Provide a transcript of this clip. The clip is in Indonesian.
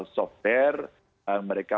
software yang mereka